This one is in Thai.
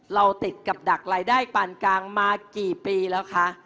เราติดกับดักรายได้ปานกลางมากี่ปีแล้วคะ